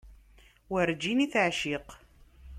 Werǧin i teεciq.